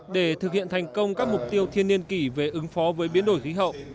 để thực hiện thành công các mục tiêu thiên niên kỷ về ứng phó với biến đổi khí hậu